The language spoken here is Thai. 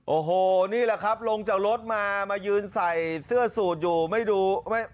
โอ้โหนี่แหละครับลงจากรถมามายืนใส่เสื้อสูตรอยู่ไม่ดูไม่